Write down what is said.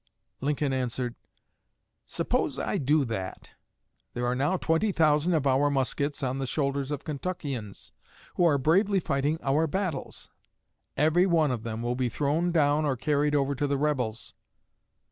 Lincoln answered: "Suppose I do that. There are now twenty thousand of our muskets on the shoulders of Kentuckians, who are bravely fighting our battles. Every one of them will be thrown down or carried over to the rebels."